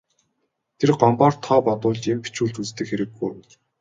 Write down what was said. Тэр Гомбоор тоо бодуулж, юм бичүүлж үздэг хэрэг үү.